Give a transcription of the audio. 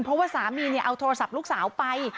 เพราะว่าสามีเอาโทรศัพท์ลูกสาวไป